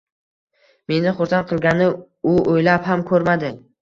Meni xursand qilgani, u oʻylab ham koʻrmadi.